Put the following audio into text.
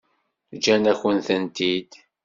Ǧǧan-akent-tent-id.